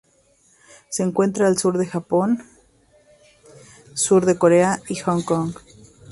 Se encuentra al sur del Japón, sur de Corea y Hong Kong.